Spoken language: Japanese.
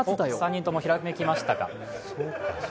３人ともひらめきましたか。